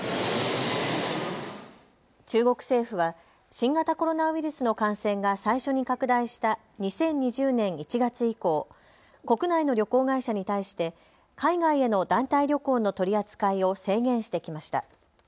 中国政府は新型コロナウイルスの感染が最初に拡大した２０２０年１月以降国内の旅行会社に対して海外への団体旅行の取り扱いを制限してきました。